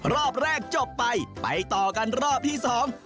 รอบแรกจบไปไปต่อกันรอบที่สอง